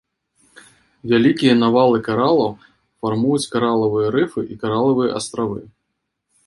Вялікія навалы каралаў фармуюць каралавыя рыфы і каралавыя астравы.